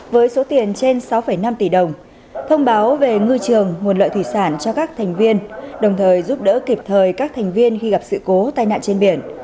với số tiền trên sáu năm tỷ đồng thông báo về ngư trường nguồn lợi thủy sản cho các thành viên đồng thời giúp đỡ kịp thời các thành viên khi gặp sự cố tai nạn trên biển